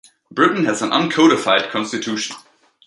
Britain has an uncodified constitution.